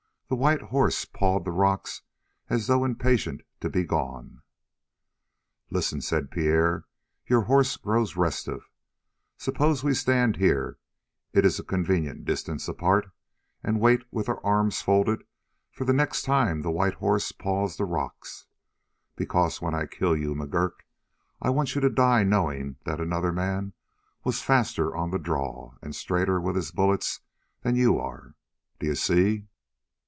The white horse pawed the rocks as though impatient to be gone. "Listen," said Pierre, "your horse grows restive. Suppose we stand here it's a convenient distance apart and wait with our arms folded for the next time the white horse paws the rocks, because when I kill you, McGurk, I want you to die knowing that another man was faster on the draw and straighter with his bullets than you are. D'you see?"